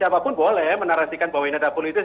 siapapun boleh menarasikan bahwa ini adalah politis